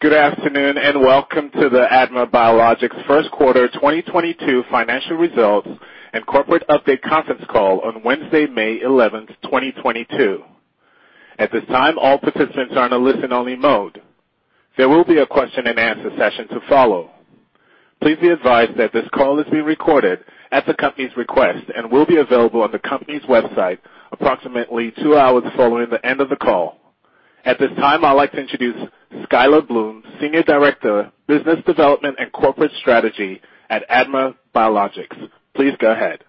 Good afternoon, and welcome to the ADMA Biologics first quarter 2022 financial results and corporate update conference call on Wednesday, May 11th, 2022. At this time, all participants are on a listen-only mode. There will be a question and answer session to follow. Please be advised that this call is being recorded at the company's request and will be available on the company's website approximately 2 hours following the end of the call. At this time, I'd like to introduce Skyler Bloom, Senior Director, Business Development and Corporate Strategy at ADMA Biologics. Please go ahead.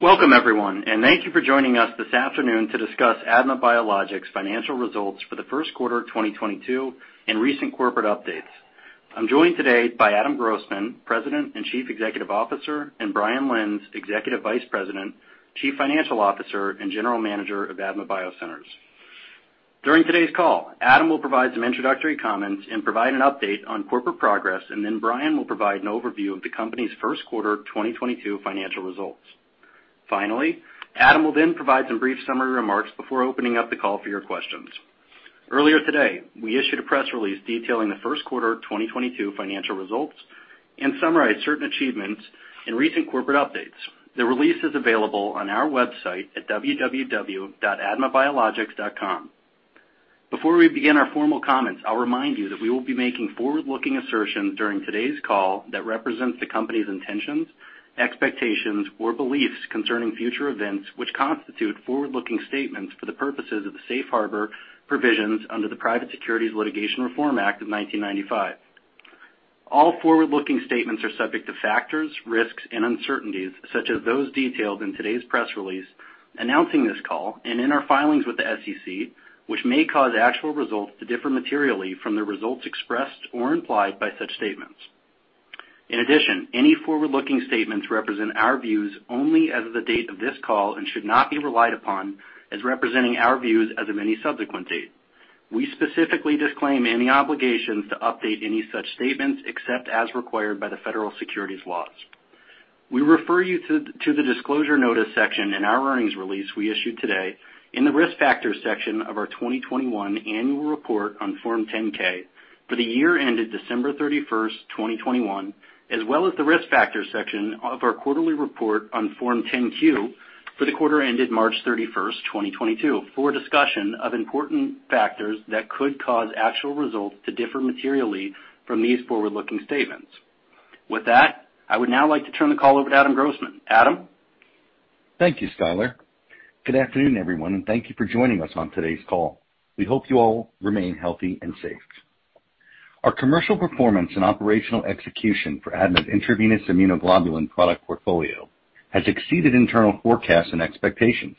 Welcome, everyone, and thank you for joining us this afternoon to discuss ADMA Biologics' financial results for the first quarter of 2022 and recent corporate updates. I'm joined today by Adam Grossman, President and Chief Executive Officer, and Brian Lenz, Executive Vice President, Chief Financial Officer, and General Manager of ADMA BioCenters. During today's call, Adam will provide some introductory comments and provide an update on corporate progress, and then Brian will provide an overview of the company's first quarter 2022 financial results. Finally, Adam will then provide some brief summary remarks before opening up the call for your questions. Earlier today, we issued a press release detailing the first quarter of 2022 financial results and summarized certain achievements and recent corporate updates. The release is available on our website at www.admabiologics.com. Before we begin our formal comments, I'll remind you that we will be making forward-looking assertions during today's call that represents the company's intentions, expectations, or beliefs concerning future events which constitute forward-looking statements for the purposes of the Safe Harbor Provisions under the Private Securities Litigation Reform Act of 1995. All forward-looking statements are subject to factors, risks, and uncertainties, such as those detailed in today's press release announcing this call and in our filings with the SEC, which may cause actual results to differ materially from the results expressed or implied by such statements. In addition, any forward-looking statements represent our views only as of the date of this call and should not be relied upon as representing our views as of any subsequent date. We specifically disclaim any obligations to update any such statements except as required by the federal securities laws. We refer you to the Disclosure Notice section in our earnings release we issued today in the Risk Factors section of our 2021 annual report on Form 10-K for the year ended December 31st, 2021, as well as the Risk Factors section of our Quarterly Report on Form 10-Q for the quarter ended March 31st, 2022, for a discussion of important factors that could cause actual results to differ materially from these forward-looking statements. With that, I would now like to turn the call over to Adam Grossman. Adam? Thank you, Skyler. Good afternoon, everyone, and thank you for joining us on today's call. We hope you all remain healthy and safe. Our commercial performance and operational execution for ADMA's intravenous immunoglobulin product portfolio has exceeded internal forecasts and expectations.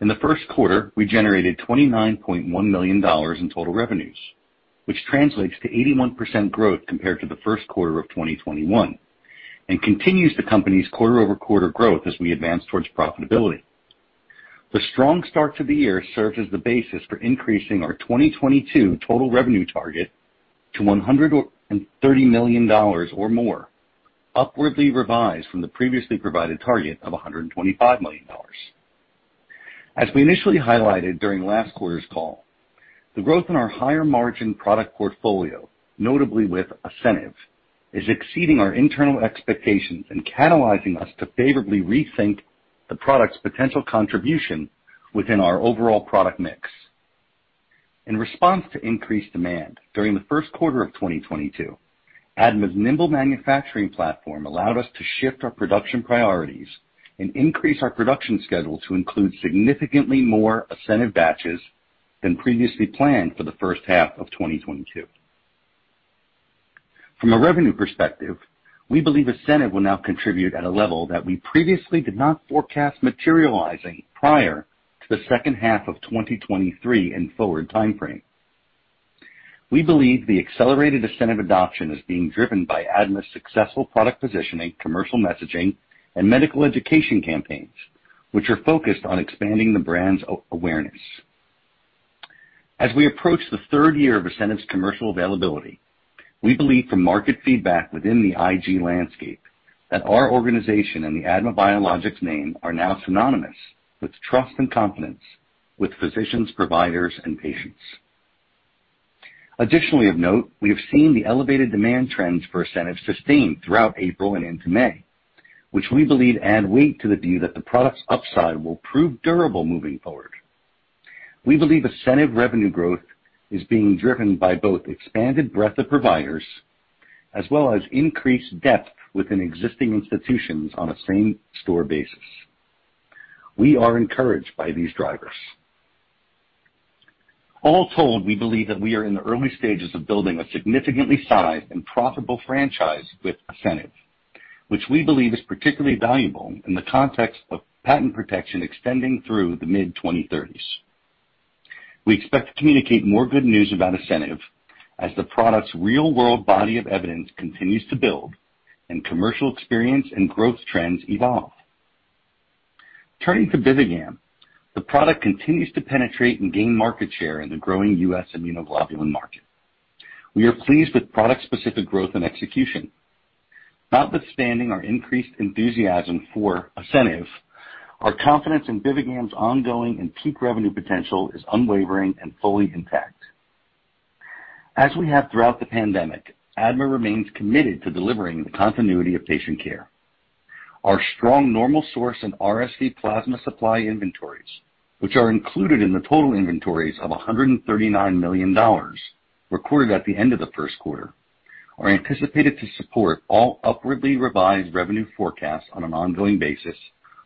In the first quarter, we generated $29.1 million in total revenues, which translates to 81% growth compared to the first quarter of 2021 and continues the company's quarter-over-quarter growth as we advance towards profitability. The strong start to the year serves as the basis for increasing our 2022 total revenue target to $130 million or more, upwardly revised from the previously provided target of $125 million. As we initially highlighted during last quarter's call, the growth in our higher margin product portfolio, notably with ASCENIV, is exceeding our internal expectations and catalyzing us to favorably rethink the product's potential contribution within our overall product mix. In response to increased demand during the first quarter of 2022, ADMA's nimble manufacturing platform allowed us to shift our production priorities and increase our production schedule to include significantly more ASCENIV batches than previously planned for the first half of 2022. From a revenue perspective, we believe ASCENIV will now contribute at a level that we previously did not forecast materializing prior to the second half of 2023 and forward timeframe. We believe the accelerated ASCENIV adoption is being driven by ADMA's successful product positioning, commercial messaging, and medical education campaigns, which are focused on expanding the brand's awareness. As we approach the third year of ASCENIV's commercial availability, we believe from market feedback within the IG landscape that our organization and the ADMA Biologics name are now synonymous with trust and confidence with physicians, providers, and patients. Additionally of note, we have seen the elevated demand trends for ASCENIV sustained throughout April and into May, which we believe add weight to the view that the product's upside will prove durable moving forward. We believe ASCENIV revenue growth is being driven by both expanded breadth of providers as well as increased depth within existing institutions on a same-store basis. We are encouraged by these drivers. All told, we believe that we are in the early stages of building a significantly sized and profitable franchise with ASCENIV, which we believe is particularly valuable in the context of patent protection extending through the mid-2030s. We expect to communicate more good news about ASCENIV as the product's real-world body of evidence continues to build and commercial experience and growth trends evolve. Turning to BIVIGAM, the product continues to penetrate and gain market share in the growing U.S. immunoglobulin market. We are pleased with product-specific growth and execution. Notwithstanding our increased enthusiasm for ASCENIV, our confidence in BIVIGAM's ongoing and peak revenue potential is unwavering and fully intact. As we have throughout the pandemic, ADMA remains committed to delivering the continuity of patient care. Our strong normal source and RSV plasma supply inventories, which are included in the total inventories of $139 million recorded at the end of the first quarter, are anticipated to support all upwardly revised revenue forecasts on an ongoing basis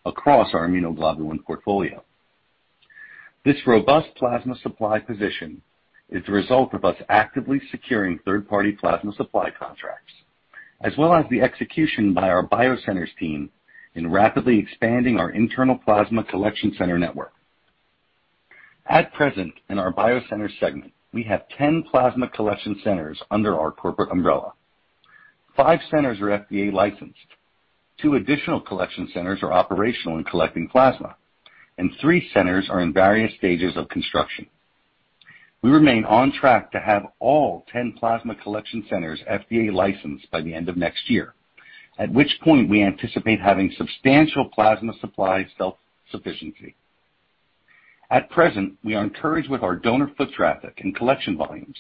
across our immunoglobulin portfolio. This robust plasma supply position is the result of us actively securing third-party plasma supply contracts, as well as the execution by our BioCenters team in rapidly expanding our internal plasma collection center network. At present, in our BioCenters segment, we have 10 plasma collection centers under our corporate umbrella. Five centers are FDA-licensed. Two additional collection centers are operational in collecting plasma, and three centers are in various stages of construction. We remain on track to have all 10 plasma collection centers FDA-licensed by the end of next year, at which point we anticipate having substantial plasma supply self-sufficiency. At present, we are encouraged with our donor foot traffic and collection volumes,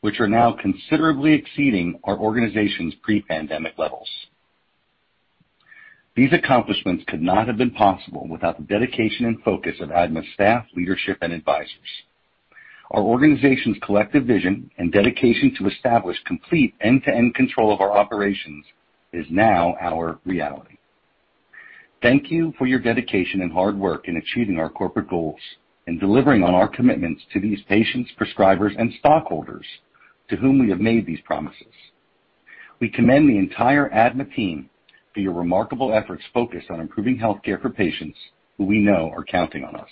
which are now considerably exceeding our organization's pre-pandemic levels. These accomplishments could not have been possible without the dedication and focus of ADMA staff, leadership, and advisors. Our organization's collective vision and dedication to establish complete end-to-end control of our operations is now our reality. Thank you for your dedication and hard work in achieving our corporate goals and delivering on our commitments to these patients, prescribers, and stockholders to whom we have made these promises. We commend the entire ADMA team for your remarkable efforts focused on improving health care for patients who we know are counting on us.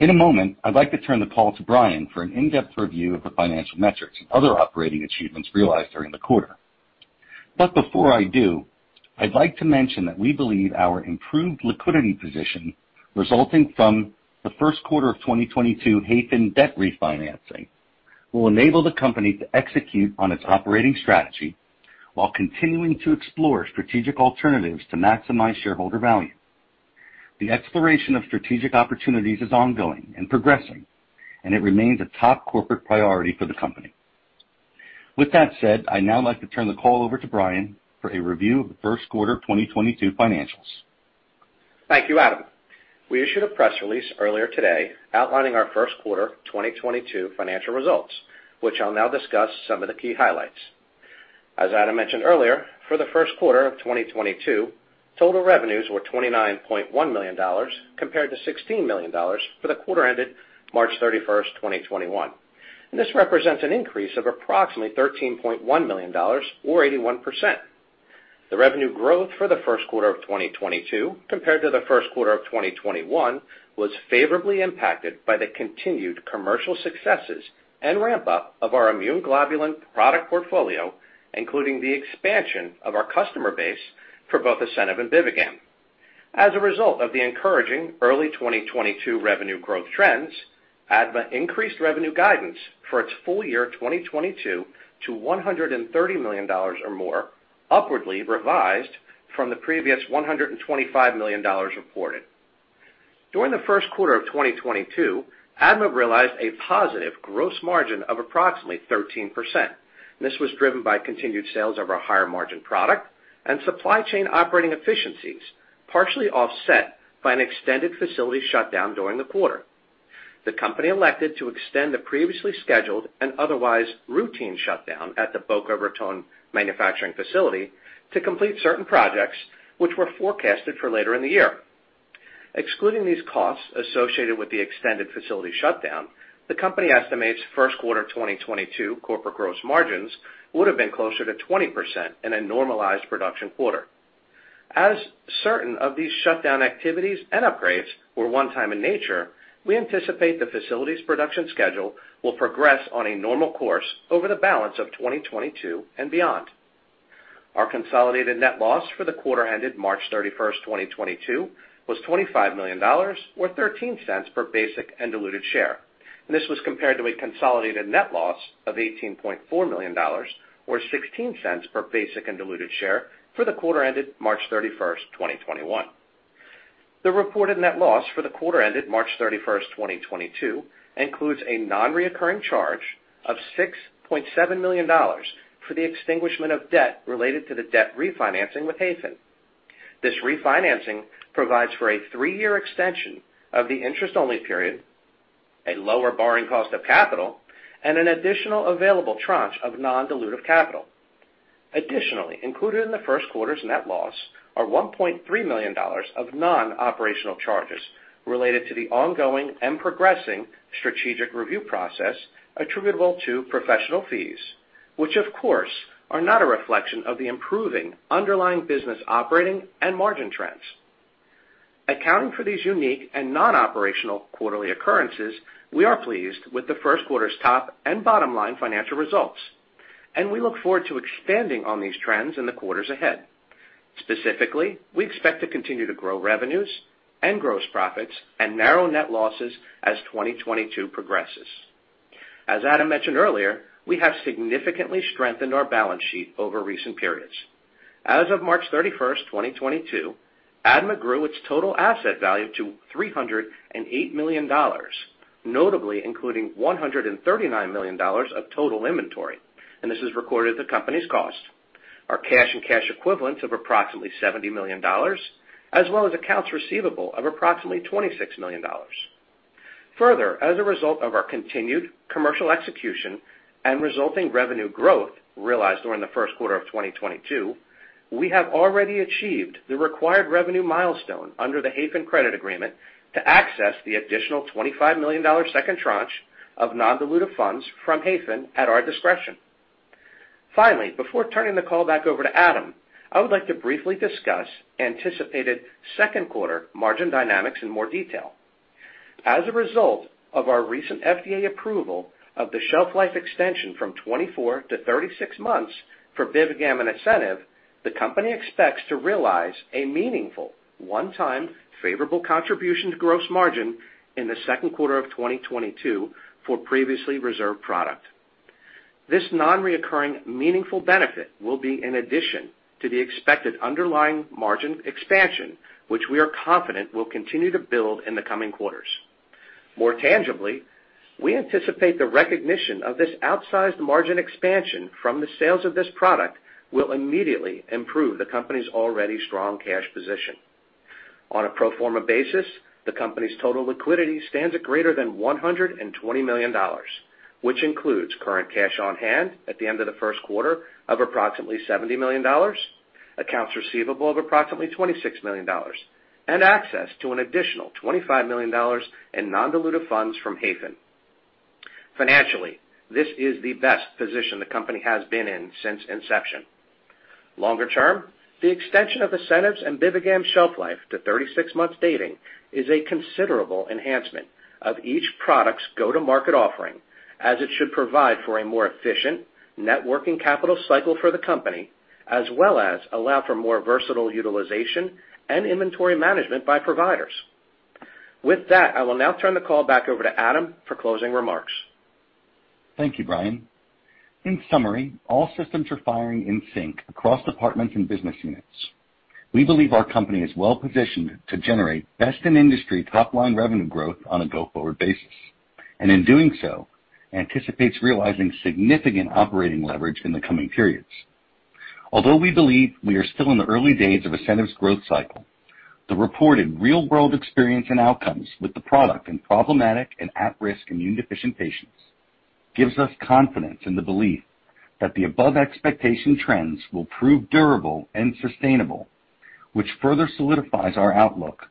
In a moment, I'd like to turn the call to Brian for an in-depth review of the financial metrics and other operating achievements realized during the quarter. Before I do, I'd like to mention that we believe our improved liquidity position resulting from the first quarter of 2022 Hayfin debt refinancing will enable the company to execute on its operating strategy while continuing to explore strategic alternatives to maximize shareholder value. The exploration of strategic opportunities is ongoing and progressing, and it remains a top corporate priority for the company. With that said, I'd now like to turn the call over to Brian for a review of the first quarter of 2022 financials. Thank you, Adam. We issued a press release earlier today outlining our first quarter 2022 financial results, which I'll now discuss some of the key highlights. As Adam mentioned earlier, for the first quarter of 2022, total revenues were $29.1 million, compared to $16 million for the quarter ended March 31st, 2021. This represents an increase of approximately $13.1 million or 81%. The revenue growth for the first quarter of 2022 compared to the first quarter of 2021 was favorably impacted by the continued commercial successes and ramp up of our immune globulin product portfolio, including the expansion of our customer base for both ASCENIV and BIVIGAM. As a result of the encouraging early 2022 revenue growth trends, ADMA increased revenue guidance for its full-year 2022 to $130 million or more, upwardly revised from the previous $125 million reported. During the first quarter of 2022, ADMA realized a positive gross margin of approximately 13%. This was driven by continued sales of our higher margin product and supply chain operating efficiencies, partially offset by an extended facility shutdown during the quarter. The company elected to extend the previously scheduled and otherwise routine shutdown at the Boca Raton manufacturing facility to complete certain projects which were forecasted for later in the year. Excluding these costs associated with the extended facility shutdown, the company estimates first quarter 2022 corporate gross margins would have been closer to 20% in a normalized production quarter. As certain of these shutdown activities and upgrades were one-time in nature, we anticipate the facility's production schedule will progress on a normal course over the balance of 2022 and beyond. Our consolidated net loss for the quarter-ended March 31st, 2022 was $25 million or $0.13 per basic and diluted share. This was compared to a consolidated net loss of $18.4 million or $0.16 per basic and diluted share for the quarter-ended March 31st, 2021. The reported net loss for the quarter-ended March 31st, 2022 includes a nonrecurring charge of $6.7 million for the extinguishment of debt related to the debt refinancing with Hayfin. This refinancing provides for a three-year extension of the interest-only period, a lower borrowing cost of capital, and an additional available tranche of non-dilutive capital. Additionally, included in the first quarter's net loss are $1.3 million of non-operational charges related to the ongoing and progressing strategic review process attributable to professional fees, which of course, are not a reflection of the improving underlying business operating and margin trends. Accounting for these unique and non-operational quarterly occurrences, we are pleased with the first quarter's top and bottom line financial results. We look forward to expanding on these trends in the quarters ahead. Specifically, we expect to continue to grow revenues and gross profits and narrow net losses as 2022 progresses. As Adam mentioned earlier, we have significantly strengthened our balance sheet over recent periods. As of March 31st, 2022, ADMA grew its total asset value to $308 million, notably including $139 million of total inventory, and this is recorded at the company's cost. Our cash and cash equivalents of approximately $70 million, as well as accounts receivable of approximately $26 million. Further, as a result of our continued commercial execution and resulting revenue growth realized during the first quarter of 2022, we have already achieved the required revenue milestone under the Hayfin credit agreement to access the additional $25 million second tranche of non-dilutive funds from Hayfin at our discretion. Finally, before turning the call back over to Adam, I would like to briefly discuss anticipated second quarter margin dynamics in more detail. As a result of our recent FDA approval of the shelf life extension from 24-36 months for BIVIGAM and ASCENIV, the company expects to realize a meaningful one-time favorable contribution to gross margin in the second quarter of 2022 for previously reserved product. This non-reoccurring meaningful benefit will be in addition to the expected underlying margin expansion, which we are confident will continue to build in the coming quarters. More tangibly, we anticipate the recognition of this outsized margin expansion from the sales of this product will immediately improve the company's already strong cash position. On a pro forma basis, the company's total liquidity stands at greater than $120 million, which includes current cash on hand at the end of the first quarter of approximately $70 million, accounts receivable of approximately $26 million, and access to an additional $25 million in non-dilutive funds from Hayfin. Financially, this is the best position the company has been in since inception. Longer-term, the extension of ASCENIV's and BIVIGAM's shelf life to 36 months dating is a considerable enhancement of each product's go-to-market offering, as it should provide for a more efficient net working capital cycle for the company, as well as allow for more versatile utilization and inventory management by providers. With that, I will now turn the call back over to Adam for closing remarks. Thank you, Brian. In summary, all systems are firing in sync across departments and business units. We believe our company is well-positioned to generate best-in-industry top-line revenue growth on a go-forward basis, and in doing so, anticipates realizing significant operating leverage in the coming periods. Although we believe we are still in the early days of ASCENIV's growth cycle, the reported real-world experience and outcomes with the product in problematic and at-risk immune deficient patients gives us confidence in the belief that the above expectation trends will prove durable and sustainable, which further solidifies our outlook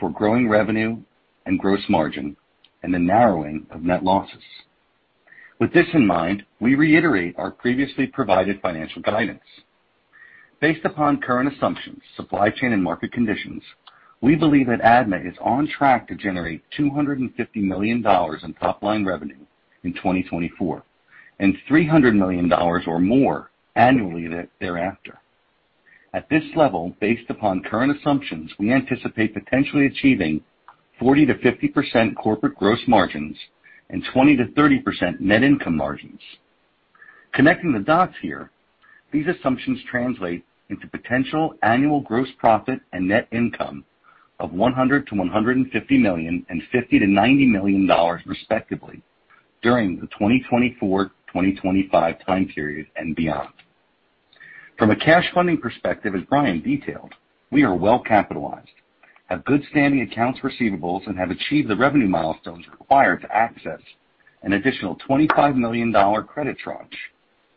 for growing revenue and gross margin and the narrowing of net losses. With this in mind, we reiterate our previously provided financial guidance. Based upon current assumptions, supply chain and market conditions, we believe that ADMA is on track to generate $250 million in top line revenue in 2024 and $300 million or more annually thereafter. At this level, based upon current assumptions, we anticipate potentially achieving 40%-50% corporate gross margins and 20%-30% net income margins. Connecting the dots here, these assumptions translate into potential annual gross profit and net income of $100 million-$150 million and $50 million-$90 million respectively during the 2024-2025 time period and beyond. From a cash funding perspective, as Brian detailed, we are well capitalized, have good standing accounts receivables, and have achieved the revenue milestones required to access an additional $25 million credit tranche,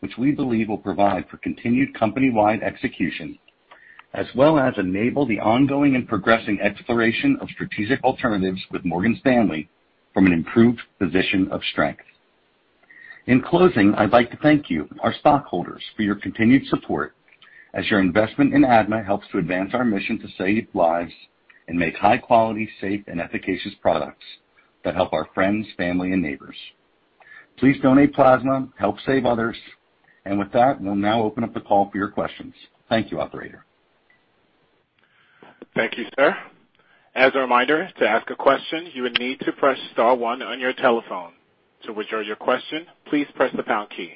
which we believe will provide for continued company-wide execution as well as enable the ongoing and progressing exploration of strategic alternatives with Morgan Stanley from an improved position of strength. In closing, I'd like to thank you, our stockholders, for your continued support as your investment in ADMA helps to advance our mission to save lives and make high-quality, safe, and efficacious products that help our friends, family and neighbors. Please donate plasma, help save others. With that, we'll now open up the call for your questions. Thank you, operator. Thank you, sir. As a reminder, to ask a question, you would need to press Star one on your telephone. To withdraw your question, please press the Pound key.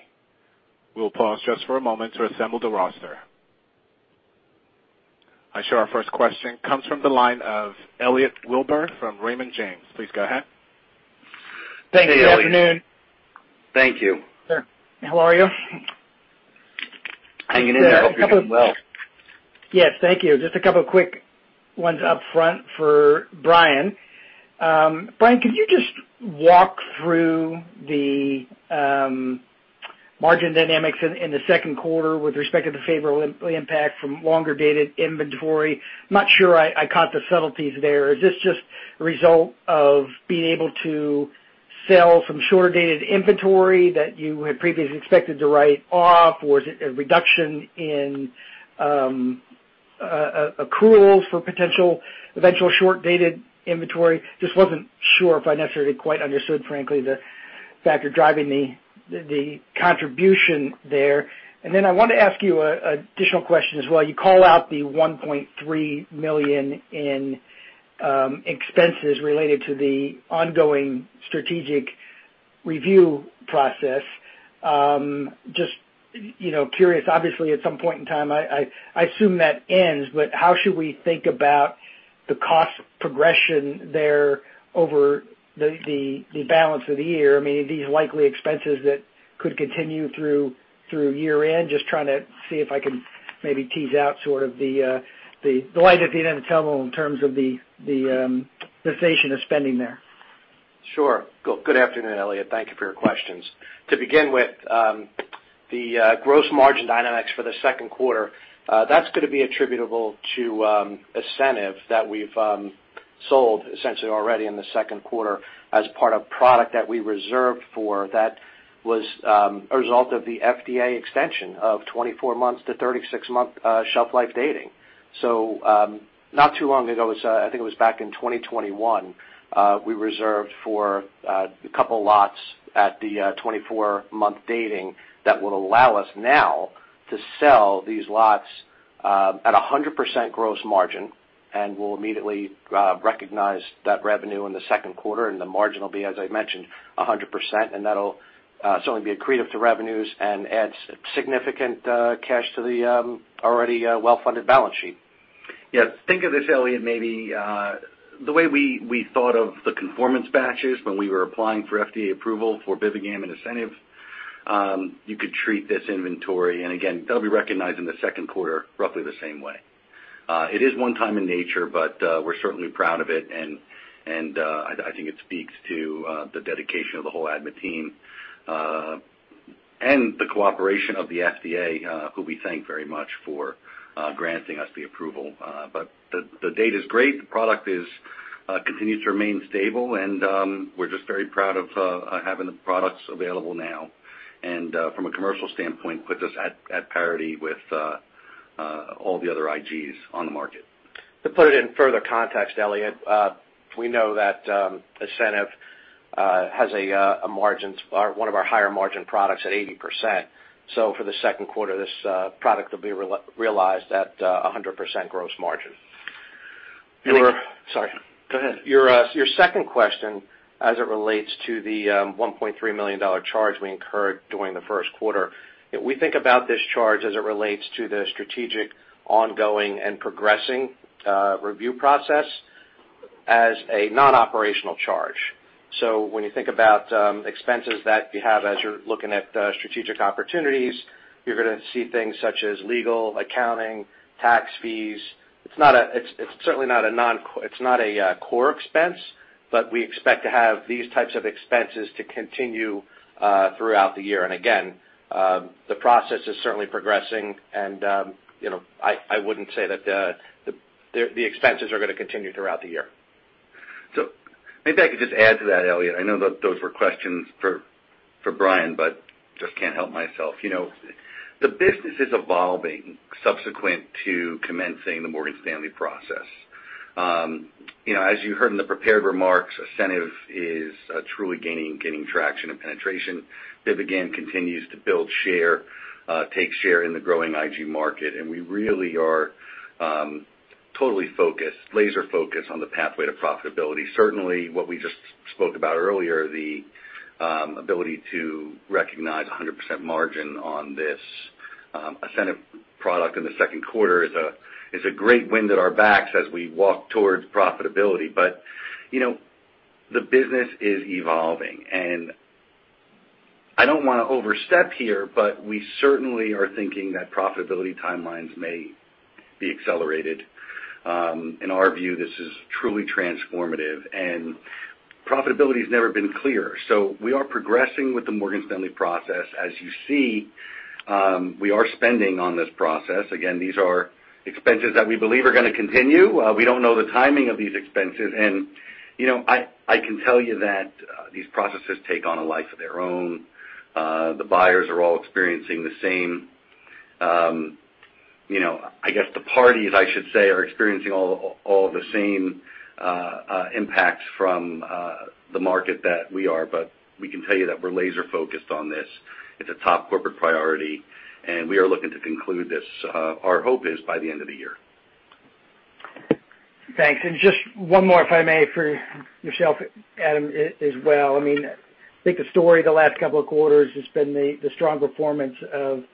We will pause just for a moment to assemble the roster. I show our first question comes from the line of Elliot Wilbur from Raymond James. Please go ahead. Hey, Elliot. Thanks. Good afternoon. Thank you. Sure. How are you? Hanging in there. I hope you're doing well. Yes, thank you. Just a couple of quick ones up front for Brian. Brian, could you just walk through the margin dynamics in the second quarter with respect to the favorable impact from longer-dated inventory? I'm not sure I caught the subtleties there. Is this just a result of being able to sell some shorter-dated inventory that you had previously expected to write off? Or is it a reduction in accruals for potential eventual short-dated inventory. Just wasn't sure if I necessarily quite understood, frankly, the factor driving the contribution there. I want to ask you an additional question as well. You call out the $1.3 million in expenses related to the ongoing strategic review process. Just, you know, curious, obviously at some point in time, I assume that ends, but how should we think about the cost progression there over the balance of the year? I mean, are these likely expenses that could continue through year-end? Just trying to see if I can maybe tease out sort of the light at the end of the tunnel in terms of the cessation of spending there. Sure. Good afternoon, Elliot. Thank you for your questions. To begin with, the gross margin dynamics for the second quarter, that's gonna be attributable to ASCENIV that we've sold essentially already in the second quarter as part of product that we reserved for that was a result of the FDA extension of 24 months to 36-month shelf life dating. Not too long ago, it was, I think it was back in 2021, we reserved for a couple lots at the 24-month dating that will allow us now to sell these lots at a 100% gross margin, and we'll immediately recognize that revenue in the second quarter, and the margin will be, as I mentioned, a 100%. That'll certainly be accretive to revenues and adds significant cash to the already well-funded balance sheet. Yes. Think of this, Elliot, maybe the way we thought of the conformance batches when we were applying for FDA approval for BIVIGAM and ASCENIV. You could treat this inventory, and again, they'll be recognized in the second quarter roughly the same way. It is one time in nature, but we're certainly proud of it, and I think it speaks to the dedication of the whole ADMA team, and the cooperation of the FDA, who we thank very much for granting us the approval. But the data's great. The product continues to remain stable, and we're just very proud of having the products available now, and from a commercial standpoint, put us at parity with all the other IGs on the market. To put it in further context, Elliot, we know that ASCENIV has a margin, or one of our higher margin products at 80%. For the second quarter, this product will be realized at 100% gross margin. And we're Sorry. Go ahead. Your second question as it relates to the $1.3 million charge we incurred during the first quarter, we think about this charge as it relates to the strategic, ongoing, and progressing review process as a non-operational charge. When you think about expenses that you have as you're looking at strategic opportunities, you're gonna see things such as legal, accounting, tax fees. It's certainly not a core expense, but we expect to have these types of expenses to continue throughout the year. Again, the process is certainly progressing, and, you know, I wouldn't say that the expenses are gonna continue throughout the year. Maybe I could just add to that, Elliot. I know those were questions for Brian, but just can't help myself. You know, the business is evolving subsequent to commencing the Morgan Stanley process. You know, as you heard in the prepared remarks, ASCENIV is truly gaining traction and penetration. BIVIGAM continues to build share, take share in the growing IG market, and we really are totally focused, laser focused on the pathway to profitability. Certainly what we just spoke about earlier, the ability to recognize 100% margin on this ASCENIV product in the second quarter is a great wind at our backs as we walk towards profitability. You know, the business is evolving, and I don't wanna overstep here, but we certainly are thinking that profitability timelines may be accelerated. In our view, this is truly transformative, and profitability's never been clearer. We are progressing with the Morgan Stanley process. As you see, we are spending on this process. Again, these are expenses that we believe are gonna continue. We don't know the timing of these expenses and, you know, I can tell you that these processes take on a life of their own. The buyers are all experiencing the same, you know, I guess the parties I should say, are experiencing all the same impacts from the market that we are, but we can tell you that we're laser focused on this. It's a top corporate priority, and we are looking to conclude this, our hope is by the end of the year. Thanks. Just one more, if I may, for yourself, Adam, as well. I mean, I think the story the last couple of quarters has been the strong performance of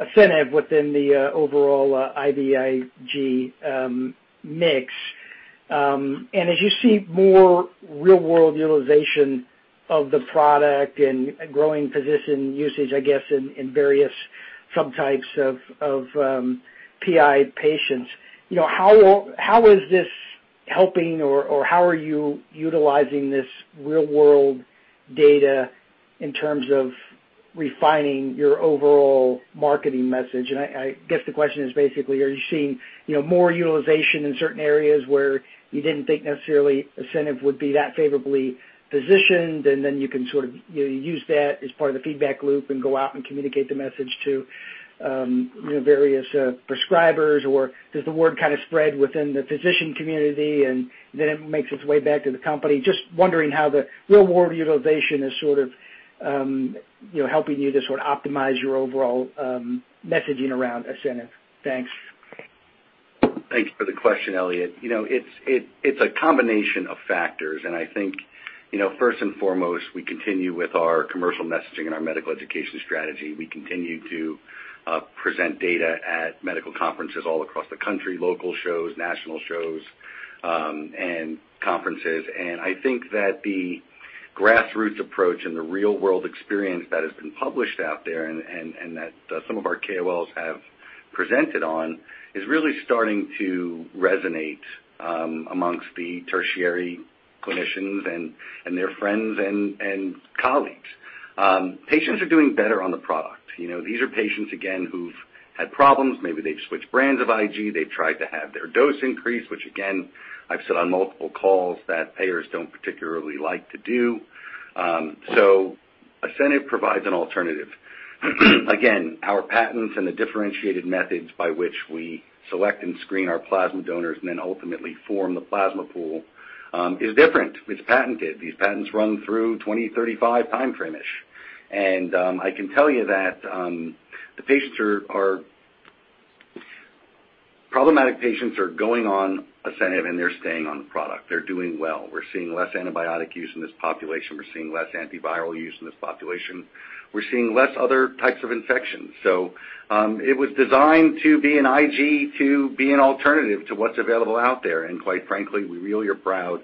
ASCENIV within the overall IVIG mix. As you see more real world utilization of the product and growing physician usage, I guess in various subtypes of PI patients, you know, how is this helping or how are you utilizing this real world data in terms of refining your overall marketing message? I guess the question is basically, are you seeing, you know, more utilization in certain areas where you didn't think necessarily ASCENIV would be that favorably positioned, and then you can sort of, you know, use that as part of the feedback loop and go out and communicate the message to You know, various prescribers or does the word kind of spread within the physician community and then it makes its way back to the company? Just wondering how the real world utilization is sort of, you know, helping you to sort of optimize your overall, messaging around ASCENIV. Thanks. Thanks for the question, Elliot. You know, it's a combination of factors. I think, you know, first and foremost, we continue with our commercial messaging and our medical education strategy. We continue to present data at medical conferences all across the country, local shows, national shows, and conferences. I think that the grassroots approach and the real-world experience that has been published out there and that some of our KOLs have presented on is really starting to resonate amongst the tertiary clinicians and their friends and colleagues. Patients are doing better on the product. You know, these are patients, again, who've had problems. Maybe they've switched brands of IG. They've tried to have their dose increased, which again, I've said on multiple calls that payers don't particularly like to do. ASCENIV provides an alternative. Again, our patents and the differentiated methods by which we select and screen our plasma donors and then ultimately form the plasma pool is different. It's patented. These patents run through 2035 timeframe-ish. I can tell you that problematic patients are going on ASCENIV, and they're staying on the product. They're doing well. We're seeing less antibiotic use in this population. We're seeing less antiviral use in this population. We're seeing less other types of infections. It was designed to be an IG to be an alternative to what's available out there. Quite frankly, we really are proud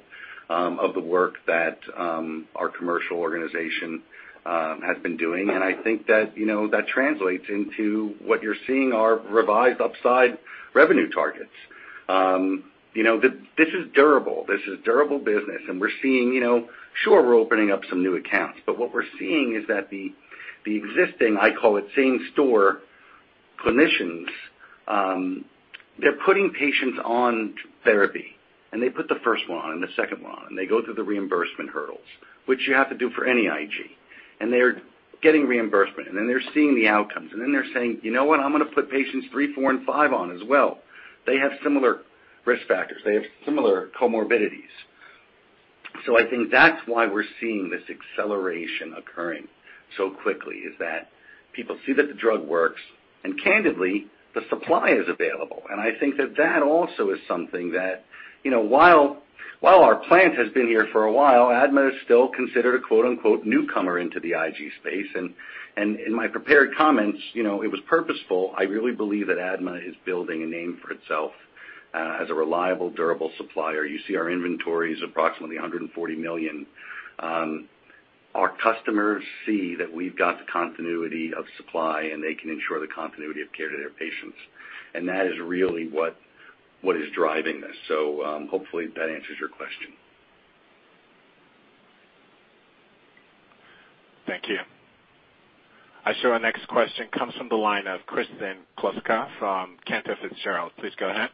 of the work that our commercial organization has been doing. I think that, you know, that translates into what you're seeing our revised upside revenue targets. You know, this is durable. This is durable business, and we're seeing, you know, sure, we're opening up some new accounts, but what we're seeing is that the existing, I call it same store clinicians, they're putting patients on therapy, and they put the first one on and the second one on, and they go through the reimbursement hurdles, which you have to do for any IG. They're getting reimbursement, and then they're seeing the outcomes. Then they're saying, You know what? I'm gonna put patients three, four, and five on as well. They have similar risk factors. They have similar comorbidities. I think that's why we're seeing this acceleration occurring so quickly, is that people see that the drug works, and candidly, the supply is available. I think that also is something that, you know, while our plant has been here for a while, ADMA is still considered a quote-unquote newcomer into the IG space. In my prepared comments, you know, it was purposeful. I really believe that ADMA is building a name for itself as a reliable, durable supplier. You see our inventory is approximately $140 million. Our customers see that we've got the continuity of supply, and they can ensure the continuity of care to their patients. That is really what is driving this. Hopefully that answers your question. Thank you. I show our next question comes from the line of Kristen Kluska from Cantor Fitzgerald. Please go ahead.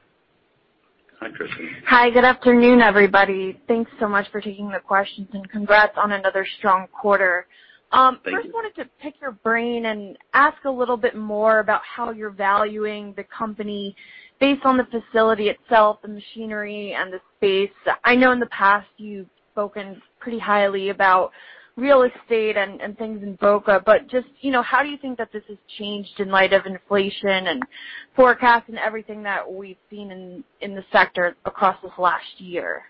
Hi, Kristen. Hi. Good afternoon, everybody. Thanks so much for taking the questions and congrats on another strong quarter. Thank you. First wanted to pick your brain and ask a little bit more about how you're valuing the company based on the facility itself, the machinery and the space. I know in the past you've spoken pretty highly about real estate and things in Boca, but just, you know, how do you think that this has changed in light of inflation and forecasts and everything that we've seen in the sector across this last year?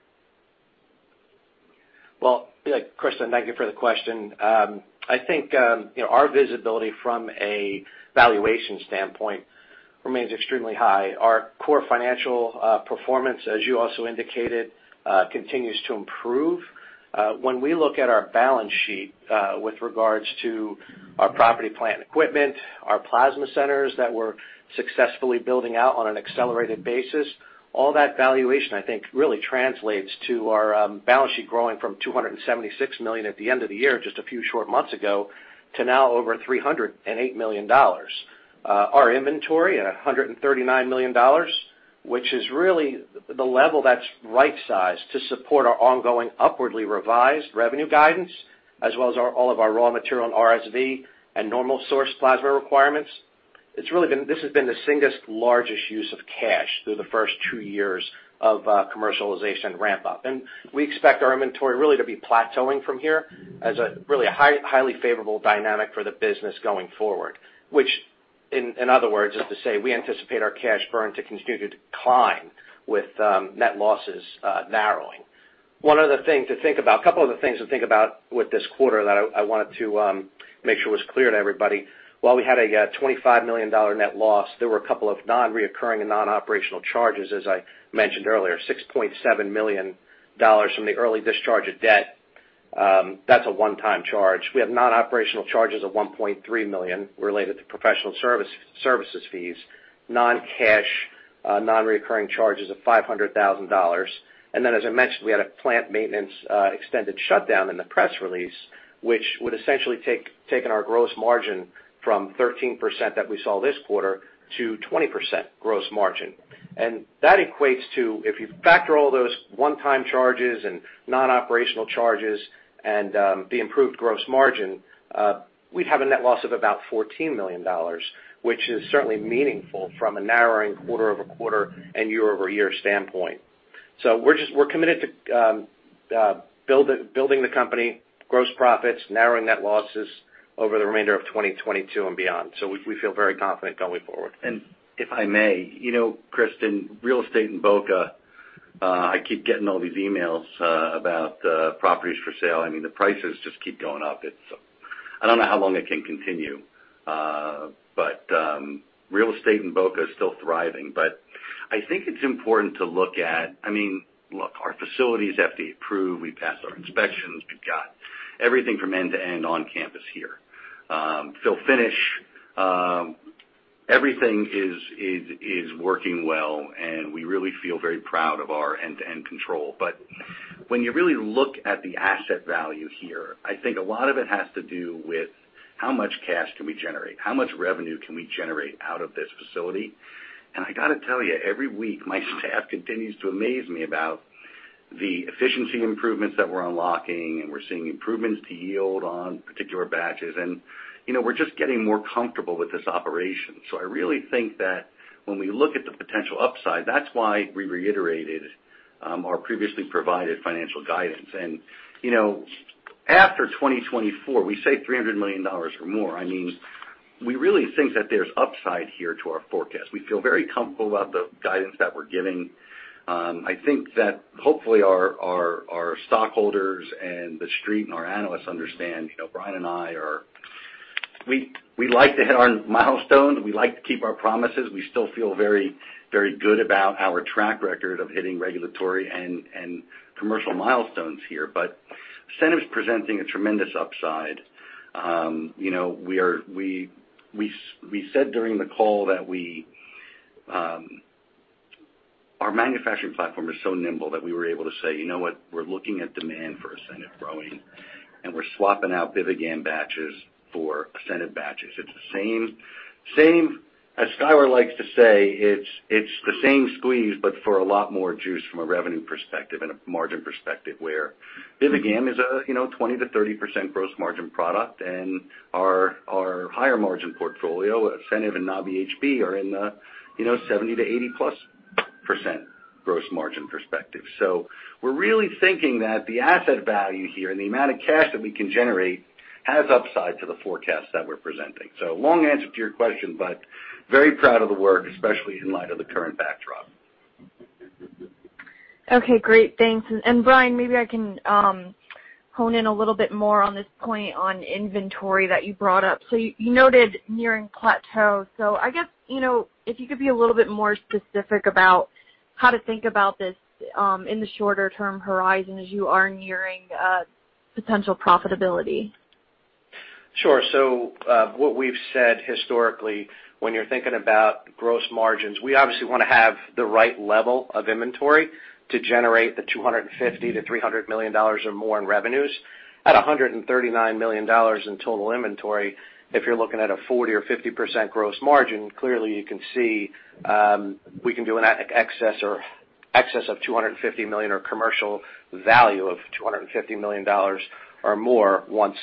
Well, yeah, Kristen, thank you for the question. I think, you know, our visibility from a valuation standpoint remains extremely high. Our core financial performance, as you also indicated, continues to improve. When we look at our balance sheet, with regards to our property, plant, and equipment, our plasma centers that we're successfully building out on an accelerated basis, all that valuation, I think, really translates to our balance sheet growing from $276 million at the end of the year, just a few short months ago, to now over $308 million. Our inventory at $139 million, which is really the level that's right sized to support our ongoing upwardly revised revenue guidance, as well as our, all of our raw material and RSV and normal source plasma requirements. This has been the single largest use of cash through the first two years of commercialization ramp up. We expect our inventory really to be plateauing from here as a really high, highly favorable dynamic for the business going forward, which in other words, is to say we anticipate our cash burn to continue to decline with net losses narrowing. One other thing to think about, a couple other things to think about with this quarter that I wanted to make sure was clear to everybody. While we had a $25 million net loss, there were a couple of non-recurring and non-operational charges, as I mentioned earlier, $6.7 million from the early discharge of debt. That's a one-time charge. We have non-operational charges of $1.3 million related to professional services fees, non-cash, non-recurring charges of $500,000. Then as I mentioned, we had a plant maintenance extended shutdown in the press release, which would essentially have taken our gross margin from 13% that we saw this quarter to 20% gross margin. That equates to, if you factor all those one-time charges and non-operational charges and the improved gross margin, we'd have a net loss of about $14 million, which is certainly meaningful from a narrowing quarter-over-quarter and year-over-year standpoint. We're committed to building the company gross profits, narrowing net losses over the remainder of 2022 and beyond. We feel very confident going forward. If I may, you know, Kristen, real estate in Boca, I keep getting all these emails about properties for sale. I mean, the prices just keep going up. I don't know how long it can continue. Real estate in Boca is still thriving. I think it's important to look at. I mean, look, our facility is FDA approved. We passed our inspections. We've got everything from end to end on campus here. Fill finish, everything is working well, and we really feel very proud of our end-to-end control. When you really look at the asset value here, I think a lot of it has to do with how much cash can we generate, how much revenue can we generate out of this facility. I gotta tell you, every week my staff continues to amaze me about the efficiency improvements that we're unlocking, and we're seeing improvements to yield on particular batches. You know, we're just getting more comfortable with this operation. I really think that when we look at the potential upside, that's why we reiterated our previously provided financial guidance. You know, after 2024, we say $300 million or more. I mean, we really think that there's upside here to our forecast. We feel very comfortable about the guidance that we're giving. I think that hopefully our stockholders and The Street and our analysts understand, you know, Brian and I, we like to hit our milestones. We like to keep our promises. We still feel very good about our track record of hitting regulatory and commercial milestones here. ASCENIV is presenting a tremendous upside. You know, we said during the call that our manufacturing platform is so nimble that we were able to say, You know what? We're looking at demand for ASCENIV growing, and we're swapping out BIVIGAM batches for ASCENIV batches. It's the same as Skyler likes to say, it's the same squeeze, but for a lot more juice from a revenue perspective and a margin perspective, where BIVIGAM is a you know, 20%-30% gross margin product and our higher margin portfolio, ASCENIV and Nabi-HB, are in the you know, 70%-80%+ gross margin perspective. We're really thinking that the asset value here and the amount of cash that we can generate has upside to the forecast that we're presenting. Long answer to your question, but very proud of the work, especially in light of the current backdrop. Okay. Great. Thanks. Brian, maybe I can hone in a little bit more on this point on inventory that you brought up. You noted nearing plateau. I guess, you know, if you could be a little bit more specific about how to think about this in the shorter-term horizon as you are nearing potential profitability. Sure. What we've said historically, when you're thinking about gross margins, we obviously wanna have the right level of inventory to generate $250 million-$300 million or more in revenues. At $139 million in total inventory, if you're looking at a 40% or 50% gross margin, clearly you can see we can do an excess of $250 million or commercial value of $250 million or more once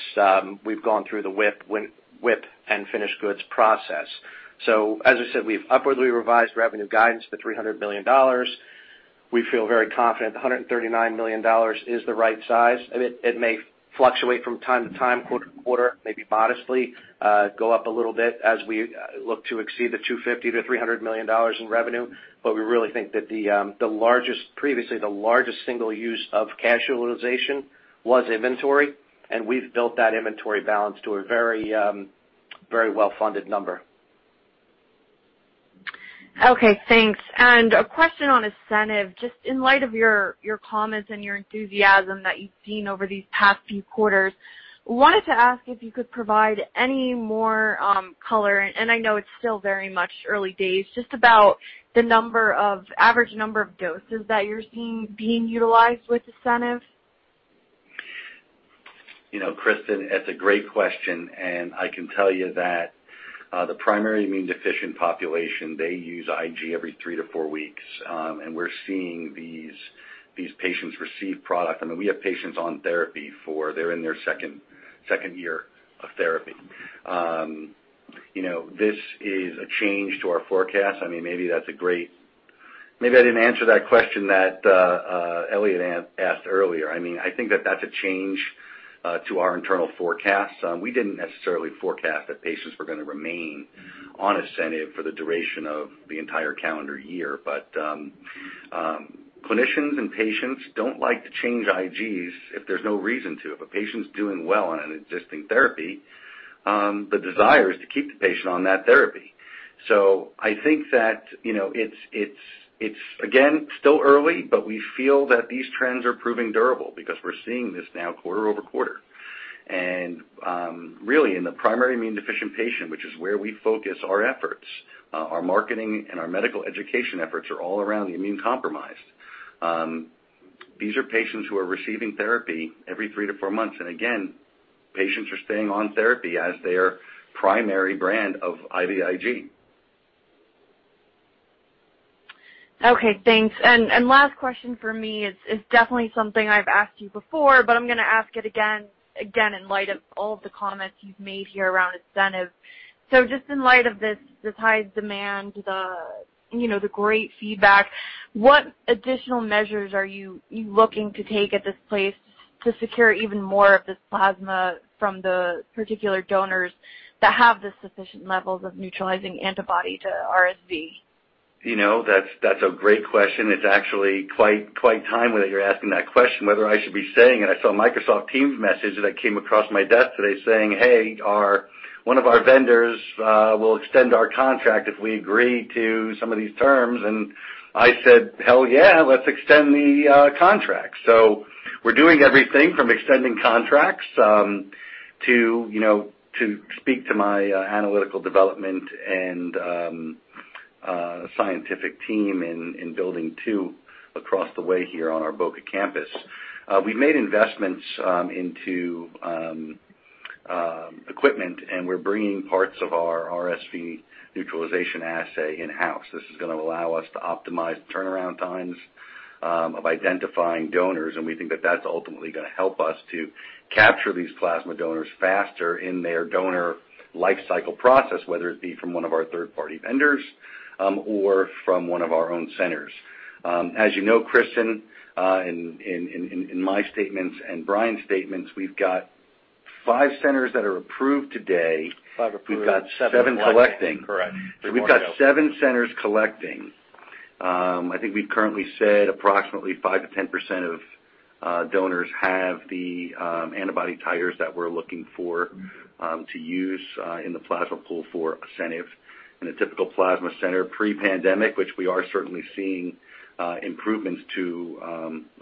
we've gone through the WIP and finished goods process. As I said, we've upwardly revised revenue guidance to $300 million. We feel very confident the $139 million is the right size. It may fluctuate from time to time, quarter to quarter, maybe modestly go up a little bit as we look to exceed $250 million-$300 million in revenue. We really think that previously the largest single use of capitalization was inventory, and we've built that inventory balance to a very well-funded number. Okay, thanks. A question on ASCENIV. Just in light of your comments and your enthusiasm that you've seen over these past few quarters, wanted to ask if you could provide any more color, and I know it's still very much early days, just about the average number of doses that you're seeing being utilized with ASCENIV? You know, Kristen, it's a great question, and I can tell you that, the primary immune deficient population, they use IG every three to four weeks. We're seeing these patients receive product. I mean, we have patients on therapy. They're in their second year of therapy. You know, this is a change to our forecast. I mean, Maybe I didn't answer that question that Elliot asked earlier. I mean, I think that that's a change to our internal forecast. We didn't necessarily forecast that patients were gonna remain on ASCENIV for the duration of the entire calendar year. Clinicians and patients don't like to change IGs if there's no reason to. If a patient's doing well on an existing therapy, the desire is to keep the patient on that therapy. I think that, you know, it's again still early, but we feel that these trends are proving durable because we're seeing this now quarter-over-quarter. Really in the primary immunodeficient patient, which is where we focus our efforts, our marketing and our medical education efforts are all around the immunocompromised. These are patients who are receiving therapy every three to four months. Again, patients are staying on therapy as their primary brand of IVIG. Okay, thanks. Last question for me is definitely something I've asked you before, but I'm gonna ask it again, in light of all of the comments you've made here around ASCENIV. Just in light of this high demand, you know, the great feedback, what additional measures are you looking to take at this place to secure even more of this plasma from the particular donors that have the sufficient levels of neutralizing antibody to RSV? You know, that's a great question. It's actually quite timely that you're asking that question, whether I should be saying I saw a Microsoft Teams message that came across my desk today saying, "Hey, one of our vendors will extend our contract if we agree to some of these terms." I said, Hell yeah, let's extend the contract. We're doing everything from extending contracts to you know, to speak to my analytical development and scientific team in building two across the way here on our Boca campus. We've made investments into equipment, and we're bringing parts of our RSV neutralization assay in-house. This is gonna allow us to optimize turnaround times of identifying donors, and we think that that's ultimately gonna help us to capture these plasma donors faster in their donor lifecycle process, whether it be from one of our third-party vendors, or from one of our own centers. As you know, Kristen, in my statements and Brian's statements, we've got five centers that are approved today. five approved, seven collecting. We've got seven collecting. Correct. Three more to go. We've got seven centers collecting. I think we've currently said approximately 5%-10% of donors have the antibody titers that we're looking for to use in the plasma pool for ASCENIV. In a typical plasma center pre-pandemic, which we are certainly seeing improvements to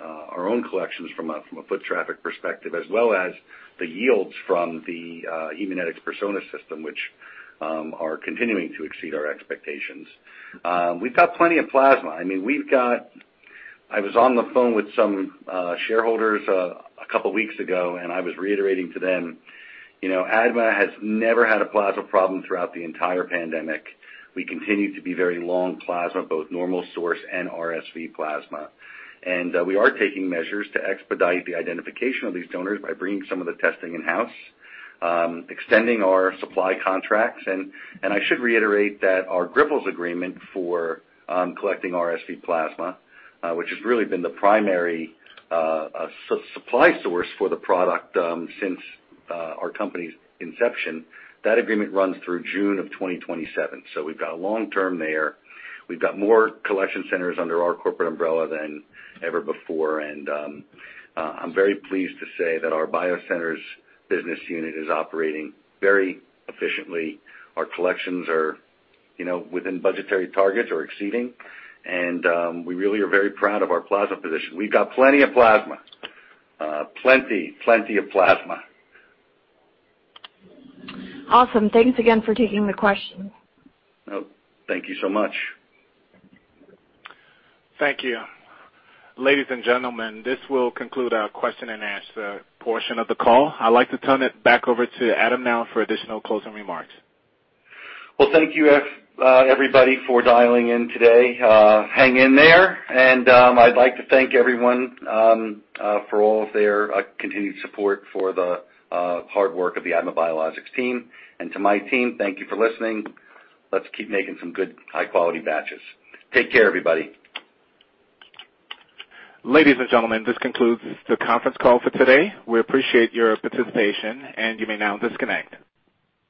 our own collections from a foot traffic perspective, as well as the yields from the Haemonetics PCS2 system, which are continuing to exceed our expectations. We've got plenty of plasma. I mean, I was on the phone with some shareholders a couple weeks ago, and I was reiterating to them, you know, ADMA has never had a plasma problem throughout the entire pandemic. We continue to be very long plasma, both normal source and RSV plasma. We are taking measures to expedite the identification of these donors by bringing some of the testing in-house, extending our supply contracts. I should reiterate that our Grifols agreement for collecting RSV plasma, which has really been the primary supply source for the product, since our company's inception, that agreement runs through June of 2027. We've got a long-term there. We've got more collection centers under our corporate umbrella than ever before. I'm very pleased to say that our BioCenters business unit is operating very efficiently. Our collections are, you know, within budgetary targets or exceeding, and we really are very proud of our plasma position. We've got plenty of plasma. Plenty of plasma. Awesome. Thanks again for taking the question. Oh, thank you so much. Thank you. Ladies and gentlemen, this will conclude our question-and-answer portion of the call. I'd like to turn it back over to Adam now for additional closing remarks. Well, thank you, everybody for dialing in today. Hang in there. I'd like to thank everyone for all of their continued support for the hard work of the ADMA Biologics team. To my team, thank you for listening. Let's keep making some good high-quality batches. Take care, everybody. Ladies and gentlemen, this concludes the conference call for today. We appreciate your participation, and you may now disconnect.